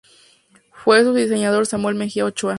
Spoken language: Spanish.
Fue su diseñador Samuel Mejía Ochoa.